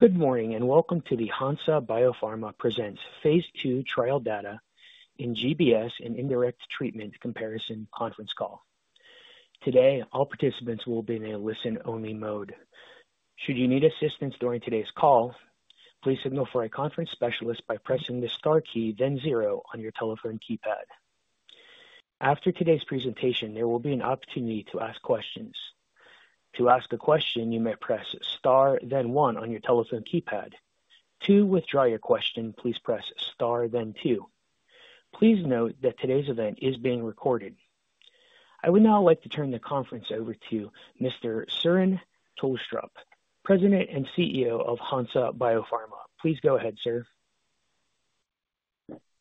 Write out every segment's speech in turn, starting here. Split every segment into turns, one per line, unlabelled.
Good morning and welcome to the Hansa Biopharma Presents phase II Trial Data in GBS and Indirect Treatment Comparison Conference Call. Today, all participants will be in a listen-only mode. Should you need assistance during today's call, please signal for a conference specialist by pressing the star key, then zero, on your telephone keypad. After today's presentation, there will be an opportunity to ask questions. To ask a question, you may press star, then one, on your telephone keypad. To withdraw your question, please press star, then two. Please note that today's event is being recorded. I would now like to turn the conference over to Mr. Søren Tulstrup, President and CEO of Hansa Biopharma. Please go ahead, sir.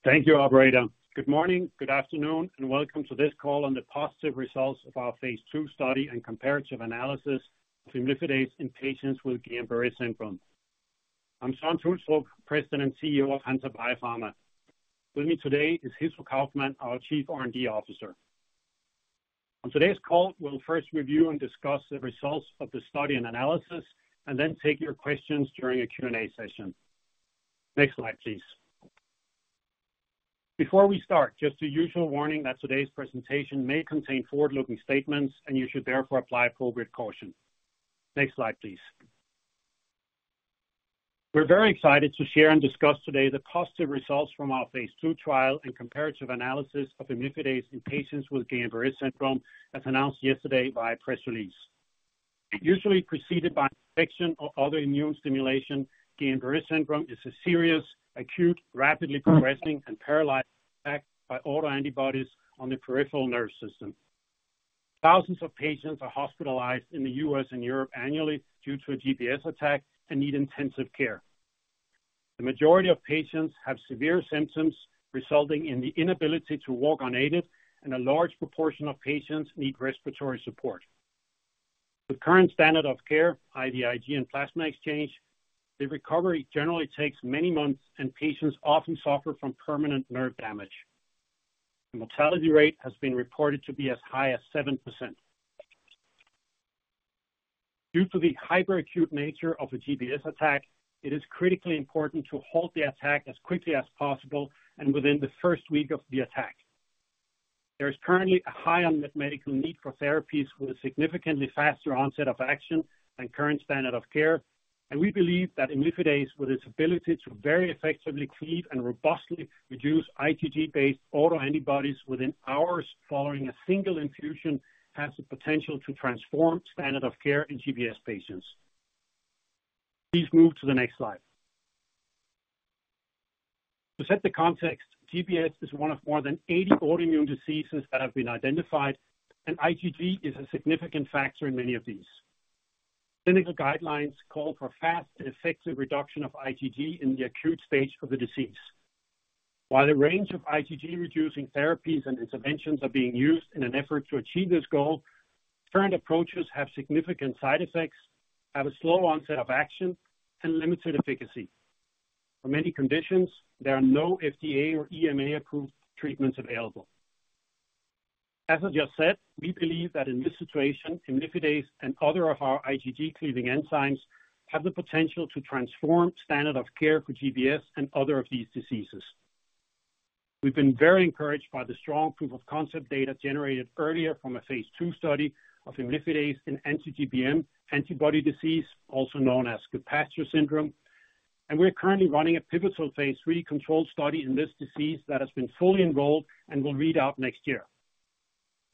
Thank you, everybody. Good morning, good afternoon, and welcome to this call on the positive results of our phase II study and comparative analysis of imlifidase in patients with Guillain-Barré syndrome. I'm Søren Tulstrup, President and CEO of Hansa Biopharma. With me today is Hitto Kaufmann, our Chief R&D Officer. On today's call, we'll first review and discuss the results of the study and analysis, and then take your questions during a Q&A session. Next slide, please. Before we start, just the usual warning that today's presentation may contain forward-looking statements, and you should therefore apply appropriate caution. Next slide, please. We're very excited to share and discuss today the positive results from our phase II trial and comparative analysis of imlifidase in patients with Guillain-Barré syndrome, as announced yesterday by a press release. Usually preceded by infection or other immune stimulation, Guillain-Barré syndrome is a serious, acute, rapidly progressing, and paralyzing attack by autoantibodies on the peripheral nervous system. Thousands of patients are hospitalized in the U.S. and Europe annually due to a GBS attack and need intensive care. The majority of patients have severe symptoms resulting in the inability to walk unaided, and a large proportion of patients need respiratory support. With current standard of care, i.e., IVIG and plasma exchange, the recovery generally takes many months, and patients often suffer from permanent nerve damage. The mortality rate has been reported to be as high as 7%. Due to the hyperacute nature of a GBS attack, it is critically important to halt the attack as quickly as possible and within the first week of the attack. There is currently a high unmet medical need for therapies with a significantly faster onset of action than current standard of care, and we believe that imlifidase, with its ability to very effectively cleave and robustly reduce IgG-based autoantibodies within hours following a single infusion, has the potential to transform standard of care in GBS patients. Please move to the next slide. To set the context, GBS is one of more than 80 autoimmune diseases that have been identified, and IgG is a significant factor in many of these. Clinical guidelines call for fast and effective reduction of IgG in the acute stage of the disease. While a range of IgG-reducing therapies and interventions are being used in an effort to achieve this goal, current approaches have significant side effects, have a slow onset of action, and limited efficacy. For many conditions, there are no FDA or EMA-approved treatments available. As I just said, we believe that in this situation, imlifidase and other of our IgG-cleaving enzymes have the potential to transform standard of care for GBS and other of these diseases. We've been very encouraged by the strong proof-of-concept data generated earlier from a phase II study of imlifidase in anti-GBM antibody disease, also known as Goodpasture syndrome, and we're currently running a pivotal phase III control study in this disease that has been fully enrolled and will read out next year.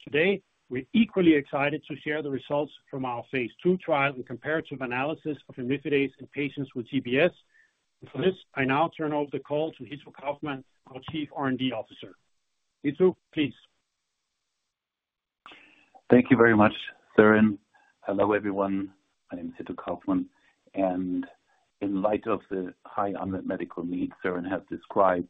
Today, we're equally excited to share the results from our phase II trial and comparative analysis of imlifidase in patients with GBS, and for this, I now turn over the call to Hitto Kaufmann, our Chief R&D Officer. Hitto, please.
Thank you very much, Søren. Hello, everyone. My name is Hitto Kaufmann, and in light of the high unmet medical needs Søren has described,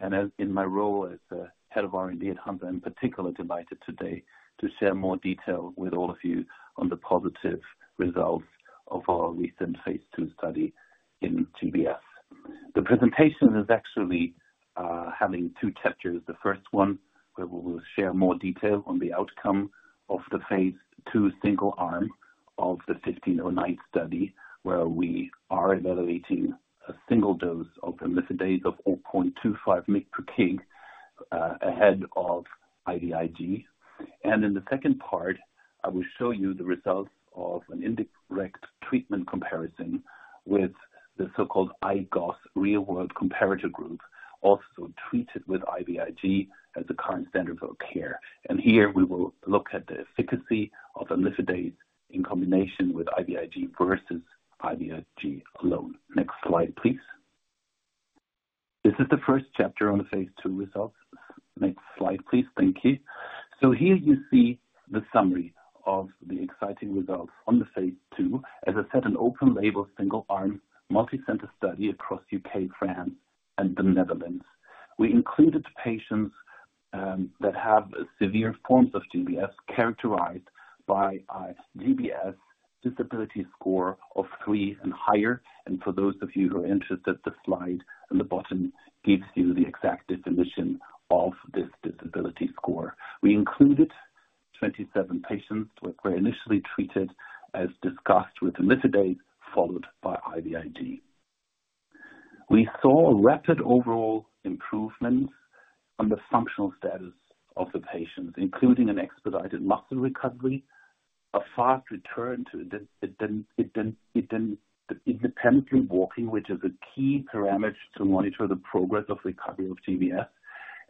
and in my role as the Head of R&D at Hansa, I'm particularly delighted today to share more detail with all of you on the positive results of our recent phase II study in GBS. The presentation is actually having two chapters. The first one, where we will share more detail on the outcome of the phase II single-arm of the 1509 study, where we are evaluating a single dose of imlifidase of 0.25 mg per kg ahead of IVIG. In the second part, I will show you the results of an indirect treatment comparison with the so-called IGOS real-world comparator group, also treated with IVIG as the current standard of care. Here, we will look at the efficacy of imlifidase in combination with IVIG versus IVIG alone. Next slide, please. This is the first chapter on the phase II results. Next slide, please. Thank you. Here you see the summary of the exciting results on the phase II. As I said, an open-label single-arm multicenter study across the U.K., France, and the Netherlands. We included patients that have severe forms of GBS, characterized by a GBS disability score of three and higher. For those of you who are interested, the slide on the bottom gives you the exact definition of this disability score. We included 27 patients who were initially treated, as discussed, with imlifidase, followed by IVIG. We saw rapid overall improvements on the functional status of the patients, including an expedited muscle recovery, a fast return to independently walking, which is a key parameter to monitor the progress of recovery of GBS,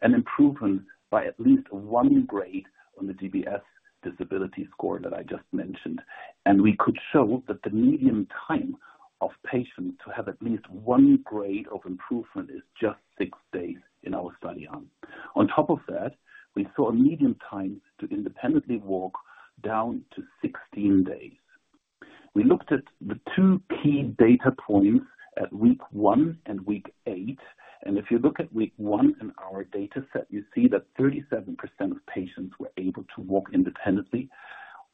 and improvement by at least one grade on the GBS disability score that I just mentioned. And we could show that the median time of patients to have at least one grade of improvement is just six days in our study. On top of that, we saw a median time to independently walk down to 16 days. We looked at the two key data points at week one and week eight, and if you look at week one in our data set, you see that 37% of patients were able to walk independently.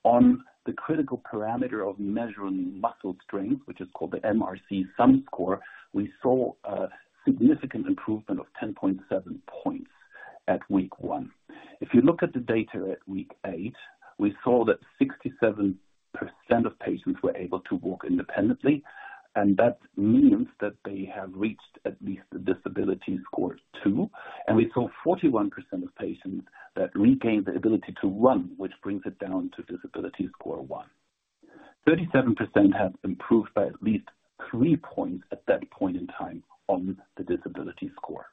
On the critical parameter of measuring muscle strength, which is called the MRC sum score, we saw a significant improvement of 10.7 points at week one. If you look at the data at week eight, we saw that 67% of patients were able to walk independently, and that means that they have reached at least a disability score of two, and we saw 41% of patients that regained the ability to run, which brings it down to disability score of one; 37% have improved by at least three points at that point in time on the disability score.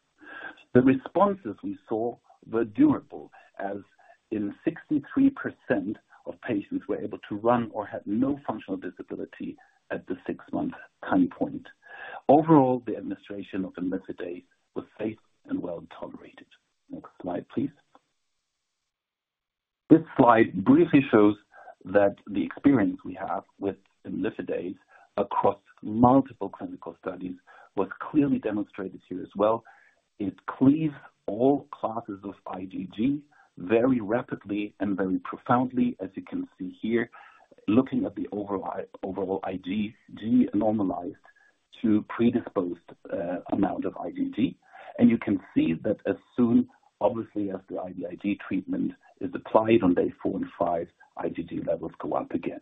The responses we saw were durable, as in 63% of patients were able to run or had no functional disability at the six-month time point. Overall, the administration of imlifidase was safe and well tolerated. Next slide, please. This slide briefly shows that the experience we have with imlifidase across multiple clinical studies was clearly demonstrated here as well. It cleaves all classes of IgG very rapidly and very profoundly, as you can see here, looking at the overall IgG normalized to predose amount of IgG, and you can see that as soon, obviously, as the IVIG treatment is applied on day four and five, IgG levels go up again,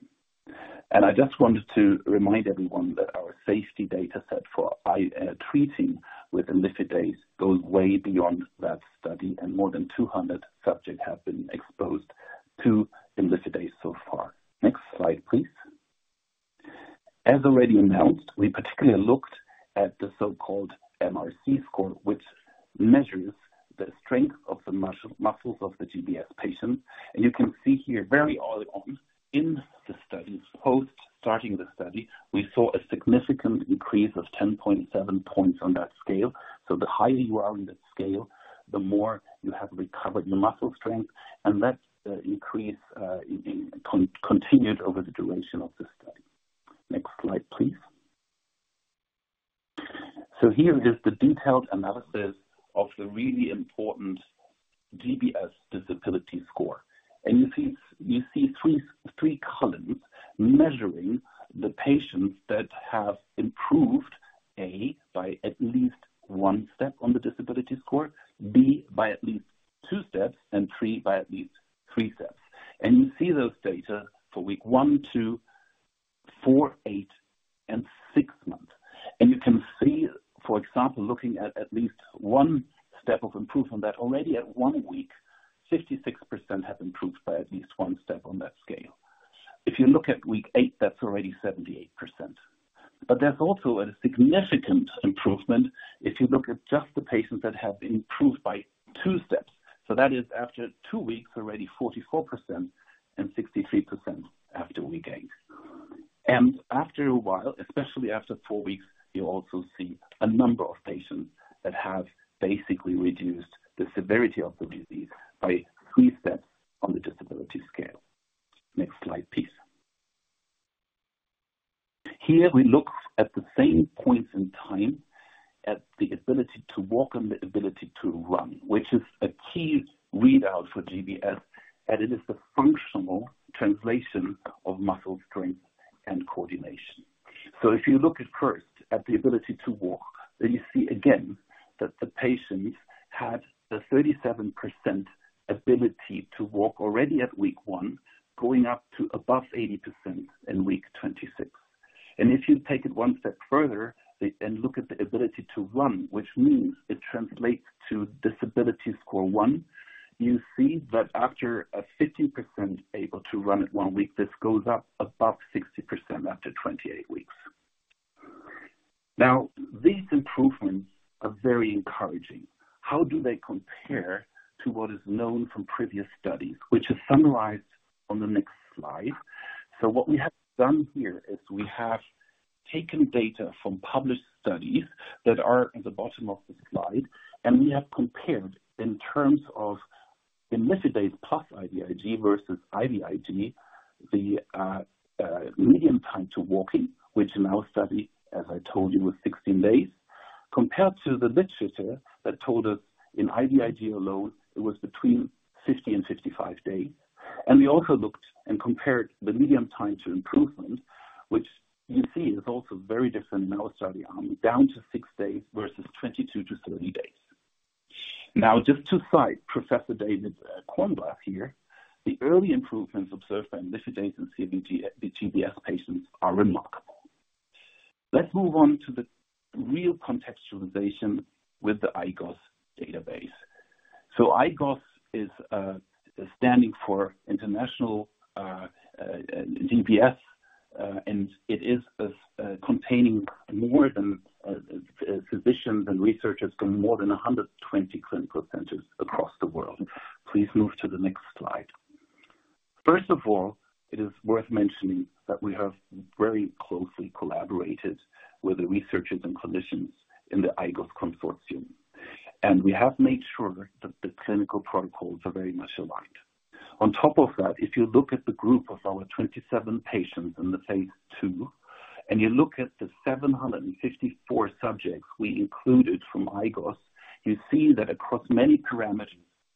and I just wanted to remind everyone that our safety data set for treating with imlifidase goes way beyond that study, and more than 200 subjects have been exposed to imlifidase so far. Next slide, please. As already announced, we particularly looked at the so-called MRC score, which measures the strength of the muscles of the GBS patients, and you can see here very early on in the studies, post-starting the study, we saw a significant increase of 10.7 points on that scale, so the higher you are on that scale, the more you have recovered your muscle strength, and that increase continued over the duration of the study. Next slide, please, so here is the detailed analysis of the really important GBS disability score, and you see three columns measuring the patients that have improved, A, by at least one step on the disability score, B, by at least two steps, and C, by at least three steps, and you see those data for week one, two, four, eight, and six months. You can see, for example, looking at least one step of improvement, that already at one week, 56% have improved by at least one step on that scale. If you look at week eight, that's already 78%. There's also a significant improvement if you look at just the patients that have improved by two steps. That is, after two weeks, already 44% and 63% after week eight. After a while, especially after four weeks, you also see a number of patients that have basically reduced the severity of the disease by three steps on the disability scale. Next slide, please. Here we look at the same points in time at the ability to walk and the ability to run, which is a key readout for GBS, and it is the functional translation of muscle strength and coordination. So if you look at first at the ability to walk, then you see again that the patients had a 37% ability to walk already at week one, going up to above 80% in week 26. And if you take it one step further and look at the ability to run, which means it translates to disability score one, you see that after 15% able to run at one week, this goes up above 60% after 28 weeks. Now, these improvements are very encouraging. How do they compare to what is known from previous studies, which is summarized on the next slide? What we have done here is we have taken data from published studies that are at the bottom of the slide, and we have compared in terms of imlifidase plus IVIG versus IVIG, the median time to walking, which in our study, as I told you, was 16 days, compared to the literature that told us in IVIG alone, it was between 50 and 55 days. We also looked and compared the median time to improvement, which you see is also very different in our study, down to six days versus 22 to 30 days. Now, just to cite Professor David Cornblath here, the early improvements observed by imlifidase in GBS patients are remarkable. Let's move on to the real contextualization with the IGOS database. IGOS is standing for International GBS, and it is containing more than physicians and researchers from more than 120 clinical centers across the world. Please move to the next slide. First of all, it is worth mentioning that we have very closely collaborated with the researchers and clinicians in the IGOS consortium, and we have made sure that the clinical protocols are very much aligned. On top of that, if you look at the group of our 27 patients in the phase II, and you look at the 754 subjects we included from IGOS, you see that across many parameters,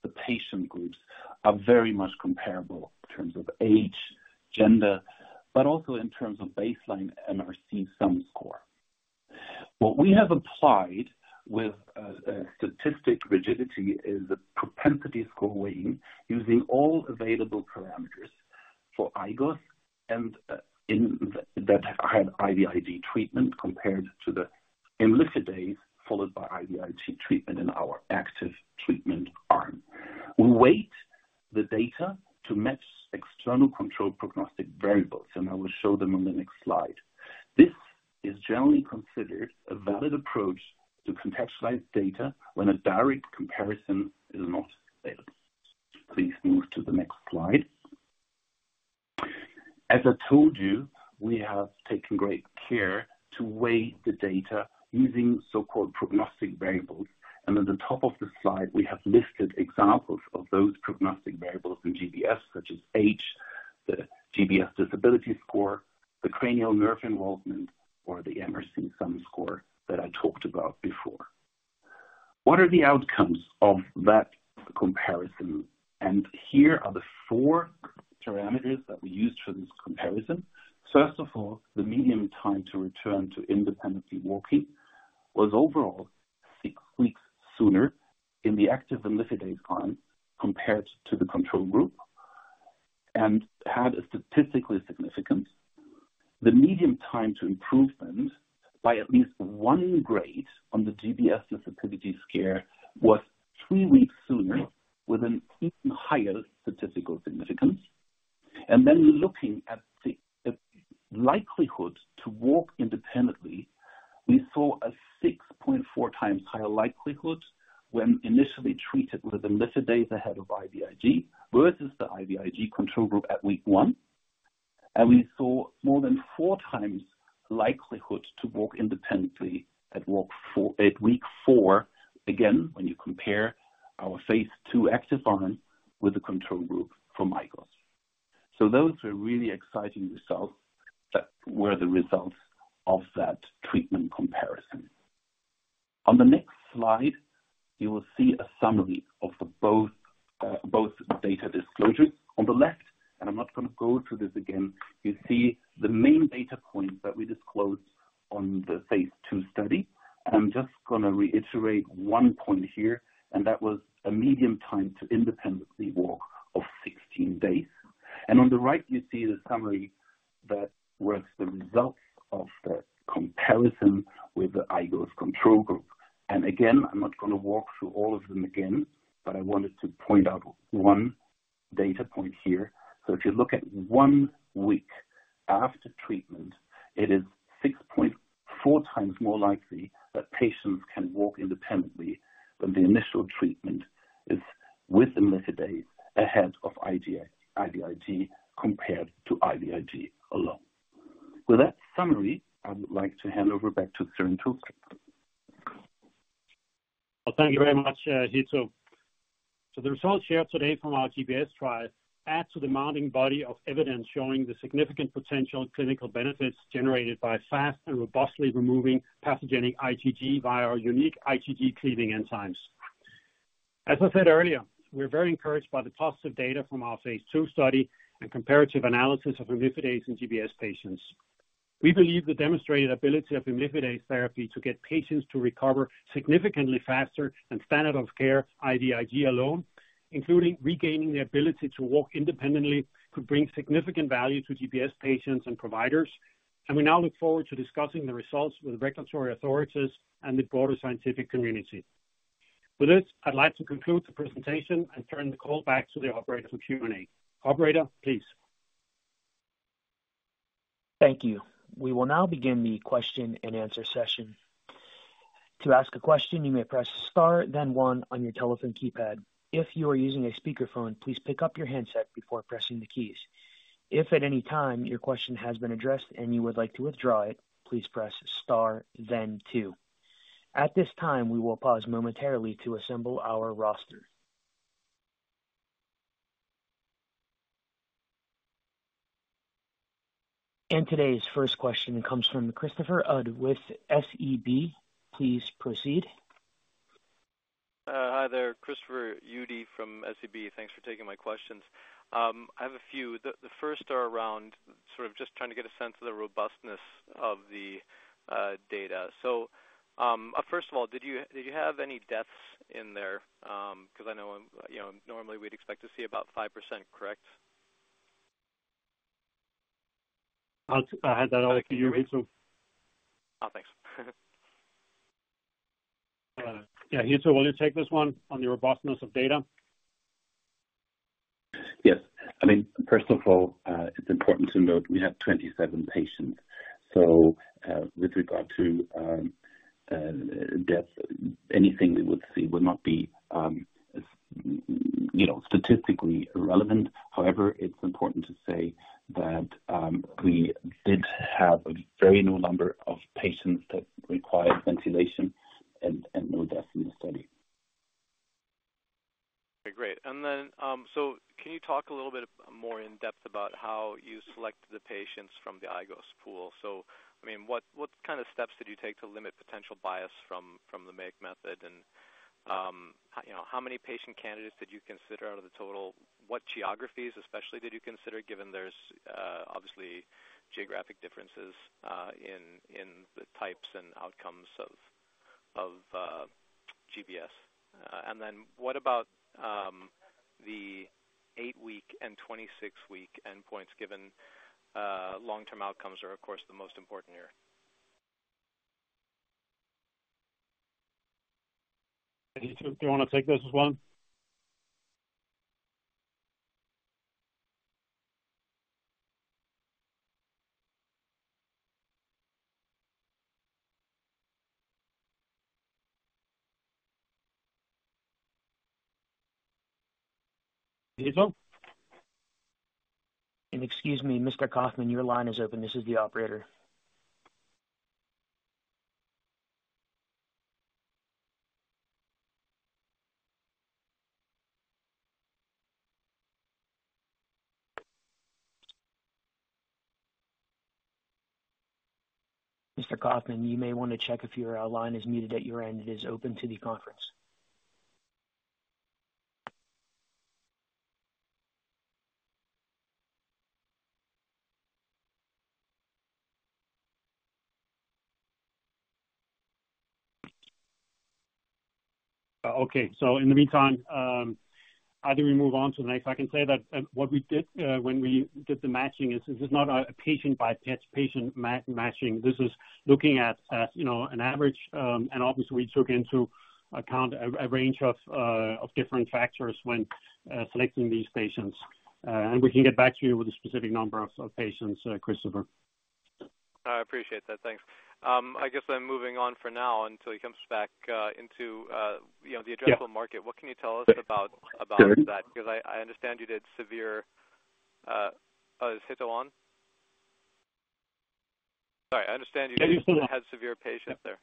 the patient groups are very much comparable in terms of age, gender, but also in terms of baseline MRC sum score. What we have applied with statistical rigor is a propensity score weighting using all available parameters for IGOS that had IVIG treatment compared to the imlifidase followed by IVIG treatment in our active treatment arm. We weight the data to match external control prognostic variables, and I will show them on the next slide. This is generally considered a valid approach to contextualize data when a direct comparison is not available. Please move to the next slide. As I told you, we have taken great care to weight the data using so-called prognostic variables, and at the top of the slide, we have listed examples of those prognostic variables in GBS, such as age, the GBS disability score, the cranial nerve involvement, or the MRC sum score that I talked about before. What are the outcomes of that comparison? Here are the four parameters that we used for this comparison. First of all, the median time to return to independently walking was overall six weeks sooner in the active imlifidase arm compared to the control group and had a statistically significant improvement. The median time to improvement by at least one grade on the GBS disability score was three weeks sooner, with an even higher statistical significance. Then looking at the likelihood to walk independently, we saw a 6.4x higher likelihood when initially treated with imlifidase ahead of IVIG versus the IVIG control group at week one, and we saw more than four times likelihood to walk independently at week four, again, when you compare our phase II active arm with the control group from IGOS. Those were really exciting results that were the results of that treatment comparison. On the next slide, you will see a summary of both data disclosures. On the left, and I'm not going to go through this again, you see the main data points that we disclosed on the phase II study. I'm just going to reiterate one point here, and that was a median time to independently walk of 16 days. And on the right, you see the summary that was the results of the comparison with the IGOS control group. And again, I'm not going to walk through all of them again, but I wanted to point out one data point here. So if you look at one week after treatment, it is 6.4x more likely that patients can walk independently than the initial treatment with imlifidase ahead of IVIG compared to IVIG alone. With that summary, I would like to hand over back to Søren Tulstrup.
Thank you very much, Hitto. The results shared today from our GBS trial add to the mounting body of evidence showing the significant potential clinical benefits generated by fast and robustly removing pathogenic IgG via our unique IgG-cleaving enzymes. As I said earlier, we're very encouraged by the positive data from our phase II study and comparative analysis of imlifidase in GBS patients. We believe the demonstrated ability of imlifidase therapy to get patients to recover significantly faster than standard of care IVIG alone, including regaining the ability to walk independently, could bring significant value to GBS patients and providers, and we now look forward to discussing the results with regulatory authorities and the broader scientific community. With this, I'd like to conclude the presentation and turn the call back to the operator for Q&A. Operator, please.
Thank you. We will now begin the question and answer session. To ask a question, you may press star, then one on your telephone keypad. If you are using a speakerphone, please pick up your handset before pressing the keys. If at any time your question has been addressed and you would like to withdraw it, please press star, then two. At this time, we will pause momentarily to assemble our roster. And today's first question comes from Christopher Uhde with SEB. Please proceed.
Hi there. Christopher Uhde from SEB. Thanks for taking my questions. I have a few. The first are around sort of just trying to get a sense of the robustness of the data. So first of all, did you have any deaths in there? Because I know normally we'd expect to see about 5%, correct?
I had that all for you, Hitto, so thanks. Yeah, Hitto, will you take this one on the robustness of data?
Yes. I mean, first of all, it's important to note we have 27 patients. So with regard to death, anything we would see would not be statistically relevant. However, it's important to say that we did have a very low number of patients that required ventilation and no deaths in the study.
Okay, great. And then so can you talk a little bit more in depth about how you selected the patients from the IGOS pool? So I mean, what kind of steps did you take to limit potential bias from the MAIC method? And how many patient candidates did you consider out of the total? What geographies especially did you consider, given there's obviously geographic differences in the types and outcomes of GBS? And then what about the eight-week and 26-week endpoints, given long-term outcomes are, of course, the most important here?
Hitto, do you want to take this one? Hitto?
And excuse me, Mr. Kaufmann, your line is open. This is the operator. Mr. Kaufmann, you may want to check if your line is muted at your end. It is open to the conference.
Okay, so in the meantime, I think we move on to the next. I can say that what we did when we did the matching is this is not a patient-by-patient matching. This is looking at an average, and obviously we took into account a range of different factors when selecting these patients, and we can get back to you with a specific number of patients, Christopher.
I appreciate that. Thanks. I guess I'm moving on for now until he comes back into the addressable market. What can you tell us about that? Because I understand you did severe—oh, is Hitto on? Sorry. I understand you had severe patients there,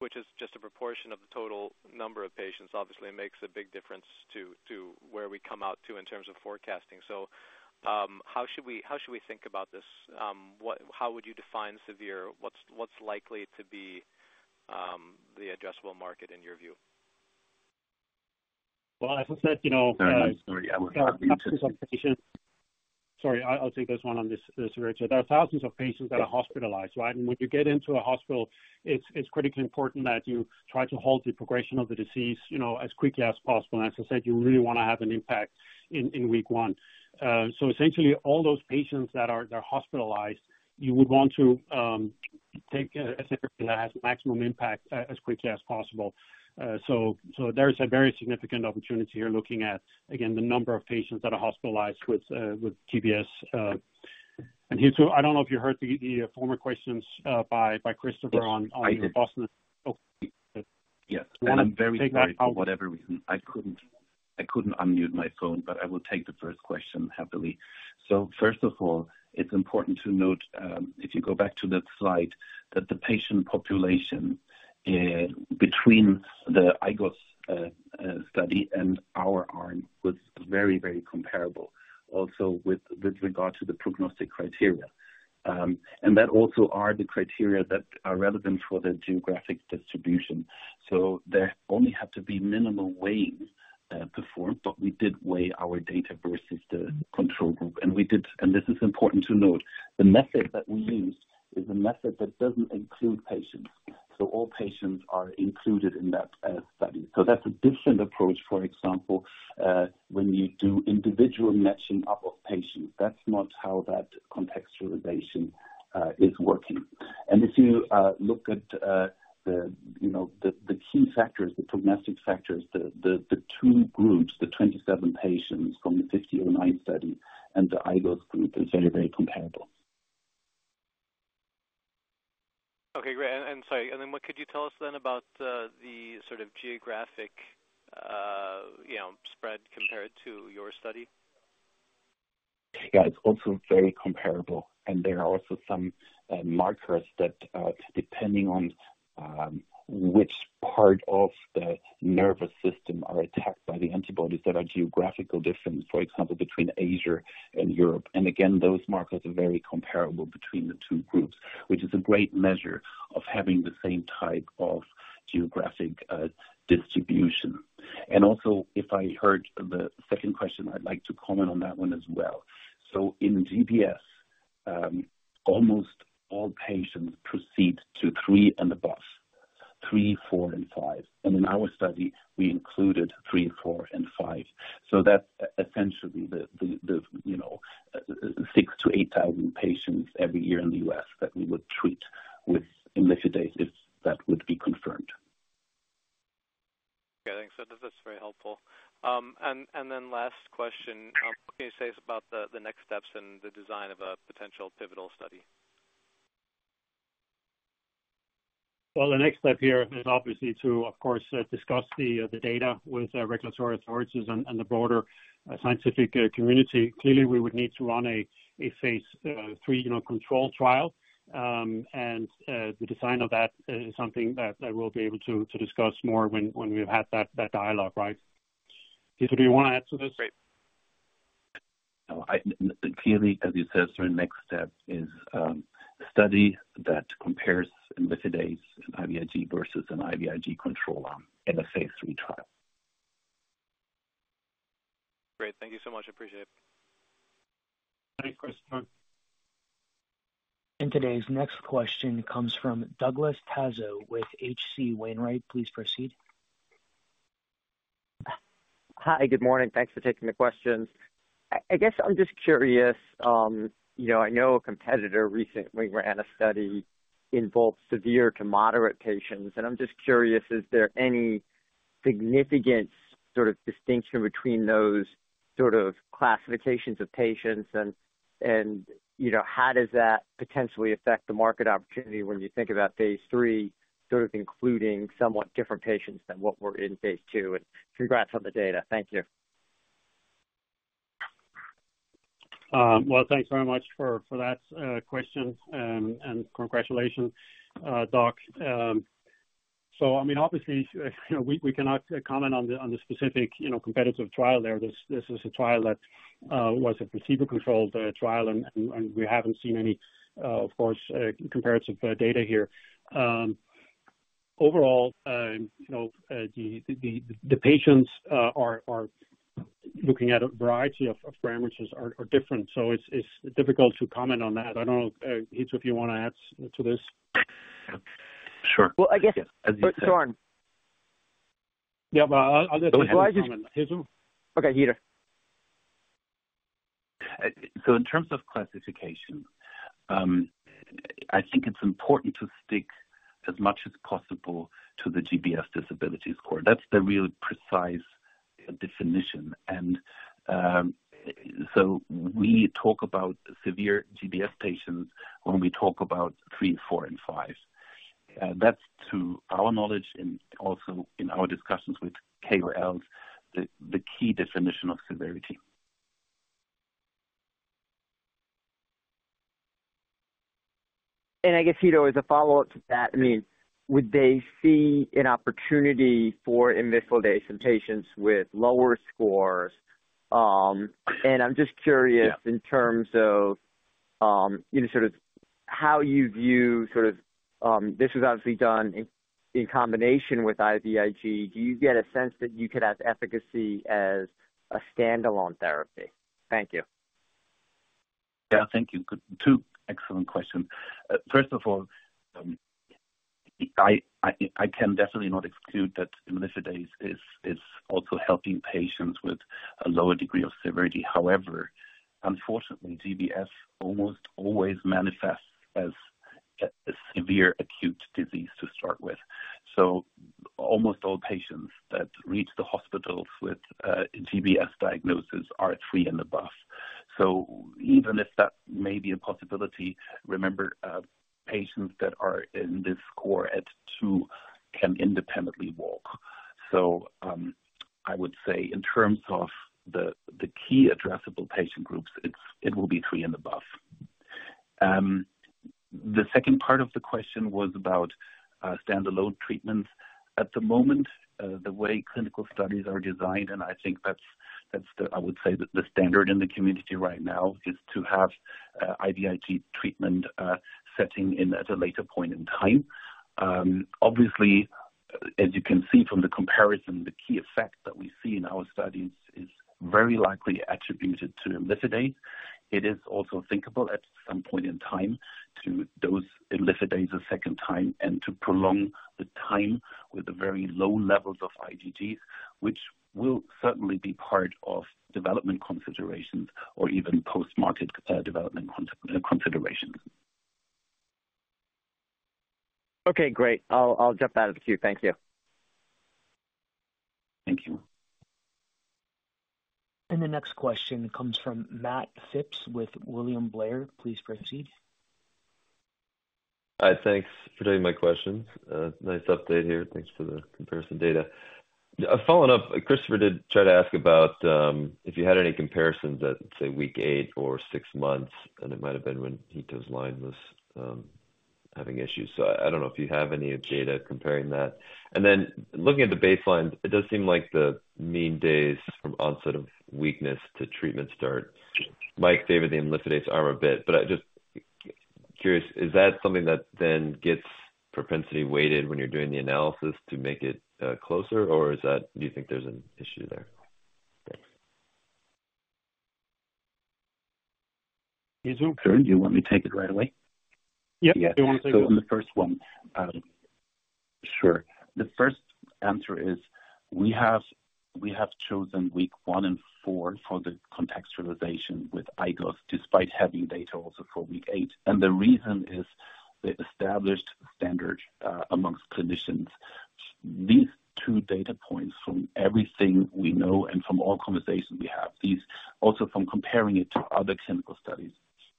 which is just a proportion of the total number of patients. Obviously, it makes a big difference to where we come out to in terms of forecasting. So how should we think about this? How would you define severe? What's likely to be the addressable market in your view?
Well, as I said, you know.
Sorry I was muted.
Sorry, I'll take this one on the severity. So there are thousands of patients that are hospitalized, right? And when you get into a hospital, it's critically important that you try to halt the progression of the disease as quickly as possible. And as I said, you really want to have an impact in week one. So essentially, all those patients that are hospitalized, you would want to take a therapy that has maximum impact as quickly as possible. So there is a very significant opportunity here looking at, again, the number of patients that are hospitalized with GBS. And Hitto, I don't know if you heard the former questions by Christopher on robustness.
Yes. I'm very sorry. For whatever reason, I couldn't unmute my phone, but I will take the first question happily. So first of all, it's important to note if you go back to that slide that the patient population between the IGOS study and our arm was very, very comparable, also with regard to the prognostic criteria. And that also are the criteria that are relevant for the geographic distribution. So there only had to be minimal weighting performed, but we did weight our data versus the control group. And this is important to note. The method that we used is a method that doesn't include patients. So all patients are included in that study. So that's a different approach. For example, when you do individual matching up of patients, that's not how that contextualization is working. If you look at the key factors, the prognostic factors, the two groups, the 27 patients from the 1509 study and the IGOS group, it's very, very comparable.
Okay, great. Sorry, and then what could you tell us then about the sort of geographic spread compared to your study?
Yeah, it's also very comparable. And there are also some markers that, depending on which part of the nervous system are attacked by the antibodies, that are geographical difference, for example, between Asia and Europe. And again, those markers are very comparable between the two groups, which is a great measure of having the same type of geographic distribution. And also, if I heard the second question, I'd like to comment on that one as well. So in GBS, almost all patients proceed to three and above, three, four, and five. And in our study, we included three, four, and five. So that's essentially the 6,000 to 8,000 patients every year in the U.S. that we would treat with imlifidase if that would be confirmed.
Okay, thanks. That's very helpful. And then last question, what can you say about the next steps in the design of a potential pivotal study?
The next step here is obviously to, of course, discuss the data with regulatory authorities and the broader scientific community. Clearly, we would need to run a phase III control trial. The design of that is something that we'll be able to discuss more when we've had that dialogue, right? Hitto, do you want to add to this?
Great.
Clearly, as you said, the next step is a study that compares imlifidase and IVIG versus an IVIG control arm in a phase III trial.
Great. Thank you so much. I appreciate it.
Thanks, Christopher.
Today's next question comes from Douglas Tsao with H.C. Wainwright. Please proceed.
Hi, good morning. Thanks for taking the questions. I guess I'm just curious. I know a competitor recently ran a study involved severe to moderate patients. And I'm just curious, is there any significant sort of distinction between those sort of classifications of patients? And how does that potentially affect the market opportunity when you think about phase III, sort of including somewhat different patients than what were in phase II? And congrats on the data. Thank you.
Thanks very much for that question and the congratulations, Doug. I mean, obviously, we cannot comment on the specific competitive trial there. This is a trial that was a placebo-controlled trial, and we haven't seen any, of course, comparative data here. Overall, the patients are looking at a variety of parameters that are different. It's difficult to comment on that. I don't know, Hitto, if you want to add to this.
Sure.
Well, I guess. Søren.
Yeah, well, I'll let you comment. Hitto?
Okay, Hitto.
So in terms of classification, I think it's important to stick as much as possible to the GBS disability score. That's the real precise definition. And so we talk about severe GBS patients when we talk about three, four, and five. That's, to our knowledge and also in our discussions with KOLs, the key definition of severity.
I guess, Hitto, as a follow-up to that, I mean, would they see an opportunity for imlifidase in patients with lower scores? And I'm just curious in terms of sort of how you view sort of this was obviously done in combination with IVIG. Do you get a sense that you could have efficacy as a standalone therapy? Thank you.
Yeah, thank you. Two excellent questions. First of all, I can definitely not exclude that imlifidase is also helping patients with a lower degree of severity. However, unfortunately, GBS almost always manifests as a severe acute disease to start with. So almost all patients that reach the hospitals with GBS diagnosis are three and above. So even if that may be a possibility, remember, patients that are in this score at two can independently walk. So I would say in terms of the key addressable patient groups, it will be three and above. The second part of the question was about standalone treatments. At the moment, the way clinical studies are designed, and I think that's, I would say, the standard in the community right now, is to have IVIG treatment setting in at a later point in time. Obviously, as you can see from the comparison, the key effect that we see in our studies is very likely attributed to imlifidase. It is also thinkable at some point in time to dose imlifidase a second time and to prolong the time with the very low levels of IgG, which will certainly be part of development considerations or even post-market development considerations.
Okay, great. I'll jump out of the queue. Thank you.
Thank you.
The next question comes from Matt Phipps with William Blair. Please proceed.
Hi, thanks for taking my questions. Nice update here. Thanks for the comparison data. Following up, Christopher did try to ask about if you had any comparisons at, say, week eight or six months, and it might have been when Hitto's line was having issues. So I don't know if you have any data comparing that. And then looking at the baselines, it does seem like the mean days from onset of weakness to treatment start might favor the imlifidase arm a bit. But I'm just curious, is that something that then gets propensity weighted when you're doing the analysis to make it closer, or do you think there's an issue there? Thanks.
Hitto do you want me to take it right away?
Yep.
Yes.
Do you want to take it?
So in the first one, sure. The first answer is we have chosen week one and four for the contextualization with IGOS despite having data also for week eight. And the reason is the established standard among clinicians. These two data points from everything we know and from all conversations we have, also from comparing it to other clinical studies,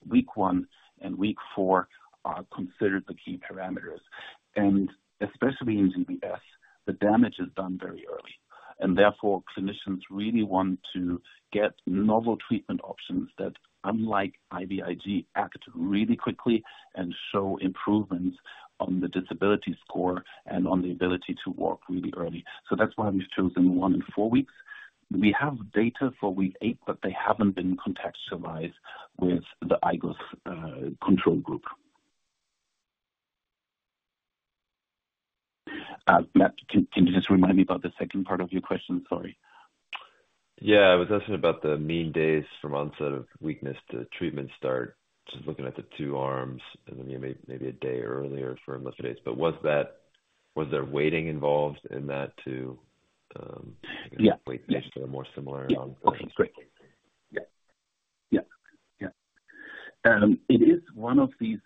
week one and week four are considered the key parameters. And especially in GBS, the damage is done very early. And therefore, clinicians really want to get novel treatment options that, unlike IVIG, act really quickly and show improvements on the disability score and on the ability to walk really early. So that's why we've chosen one and four weeks. We have data for week eight, but they haven't been contextualized with the IGOS control group. Matt, can you just remind me about the second part of your question? Sorry.
Yeah, I was asking about the mean days from onset of weakness to treatment start, just looking at the two arms and then maybe a day earlier for imlifidase. But was there weighting involved in that too?
Yeah.
Weight days that are more similar?
It is one of these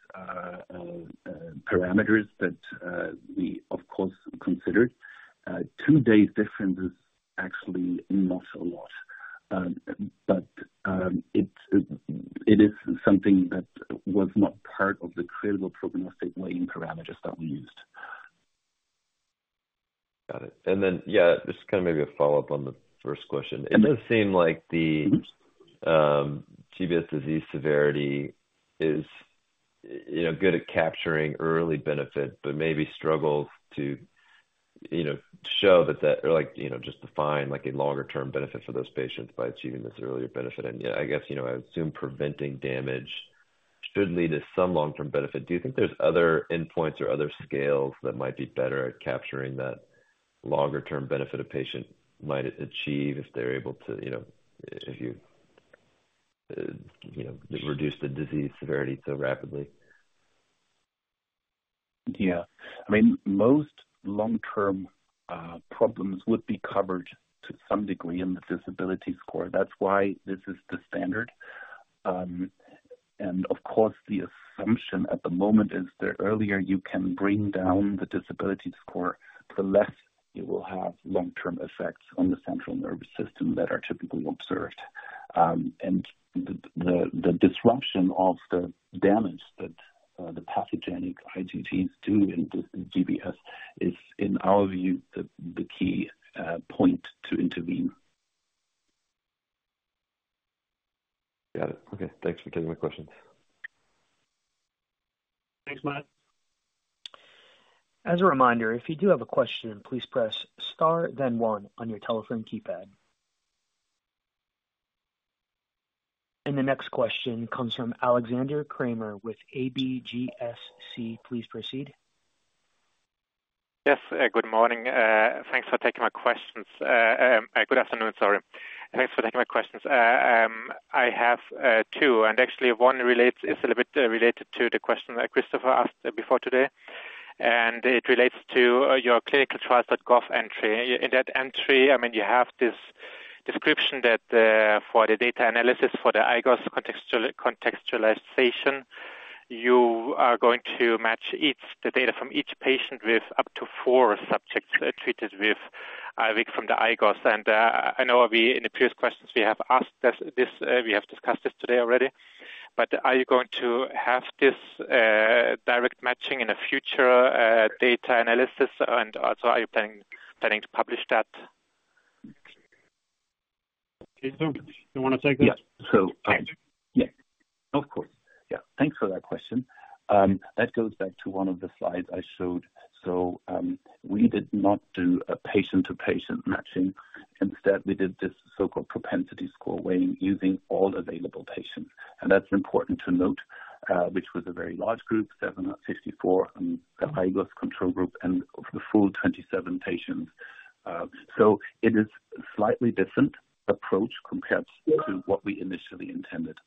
parameters that we, of course, consider. Two days difference is actually not a lot. But it is something that was not part of the credible prognostic weighting parameters that we used.
Got it. And then, yeah, just kind of maybe a follow-up on the first question. It does seem like the GBS disease severity is good at capturing early benefit, but maybe struggles to show that or just define a longer-term benefit for those patients by achieving this earlier benefit. And yeah, I guess I assume preventing damage should lead to some long-term benefit. Do you think there's other endpoints or other scales that might be better at capturing that longer-term benefit a patient might achieve if they're able to, if you reduce the disease severity so rapidly?
Yeah. I mean, most long-term problems would be covered to some degree in the disability score. That's why this is the standard. And of course, the assumption at the moment is the earlier you can bring down the disability score, the less you will have long-term effects on the central nervous system that are typically observed. And the disruption of the damage that the pathogenic IgGs do in GBS is, in our view, the key point to intervene.
Got it. Okay. Thanks for taking my questions.
Thanks, Matt.
As a reminder, if you do have a question, please press star, then one on your telephone keypad, and the next question comes from Alexander Kramer with ABGSC. Please proceed.
Yes. Good morning. Thanks for taking my questions. Good afternoon, sorry. Thanks for taking my questions. I have two, and actually, one is a little bit related to the question that Christopher asked before today, and it relates to your ClinicalTrials.gov entry. In that entry, I mean, you have this description that for the data analysis for the IGOS contextualization, you are going to match the data from each patient with up to four subjects treated with IVIG from the IGOS. And I know in the previous questions, we have asked this. We have discussed this today already. But are you going to have this direct matching in a future data analysis? And also, are you planning to publish that?
Hitto, do you want to take that?
Yes. So, yeah. Of course. Yeah. Thanks for that question. That goes back to one of the slides I showed. So we did not do a patient-to-patient matching. Instead, we did this so-called propensity score weighting using all available patients. And that's important to note, which was a very large group, 754 in the IGOS control group and the full 27 patients. So it is a slightly different approach compared to what we initially intended.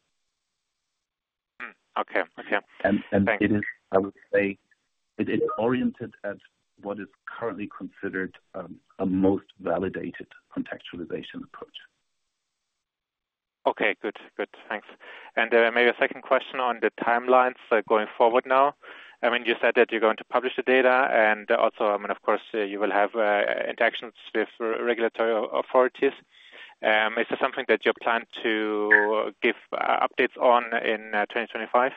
Okay. Okay. Thanks.
It is, I would say, it is oriented at what is currently considered a most validated contextualization approach.
Okay. Good. Good. Thanks. And maybe a second question on the timelines going forward now. I mean, you said that you're going to publish the data. And also, I mean, of course, you will have interactions with regulatory authorities. Is this something that you plan to give updates on in 2025?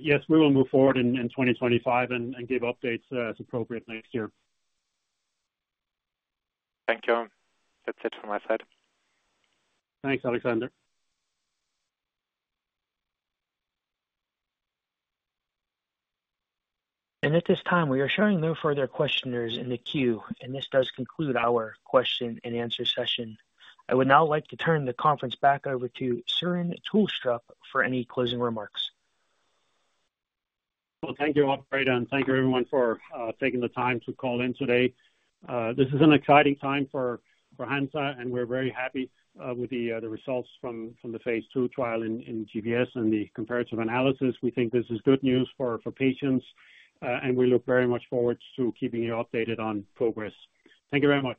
Yes. We will move forward in 2025 and give updates as appropriate next year.
Thank you. That's it from my side.
Thanks, Alexander.
At this time, we are showing no further questioners in the queue. This does conclude our question-and-answer session. I would now like to turn the conference back over to Søren Tulstrup for any closing remarks.
Thank you, Alfred, and thank you, everyone, for taking the time to call in today. This is an exciting time for Hansa, and we're very happy with the results from the phase II trial in GBS and the comparative analysis. We think this is good news for patients, and we look very much forward to keeping you updated on progress. Thank you very much.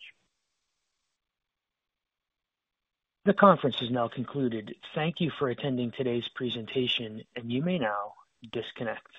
The conference is now concluded. Thank you for attending today's presentation, and you may now disconnect.